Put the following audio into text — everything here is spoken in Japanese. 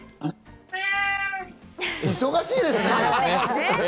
忙しいですね。